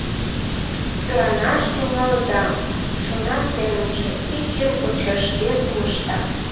Кӧранаш тӱҥалыда!» — шона семынже, ик йыр почеш весым ышта.